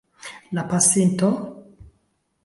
La pasinto?